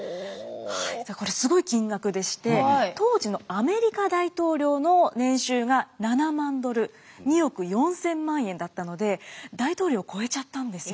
これすごい金額でして当時のアメリカ大統領の年収が７万ドル２億４，０００万円だったので大統領を超えちゃったんですよ。